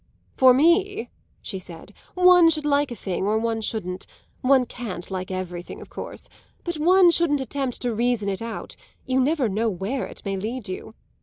"For me," she said, "one should like a thing or one shouldn't; one can't like everything, of course. But one shouldn't attempt to reason it out you never know where it may lead you.